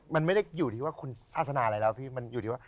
มันไม่ได้อยู่ที่ว่าคุณศาสนาอะไรแล้วพี่